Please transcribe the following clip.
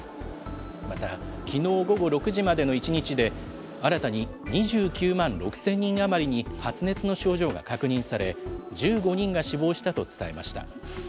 また、きのう午後６時までの１日で、新たに２９万６０００人余りに発熱の症状が確認され、１５人が死亡したと伝えました。